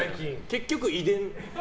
結局、遺伝。